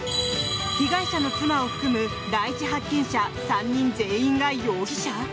被害者の妻を含む第１発見者３人全員が容疑者？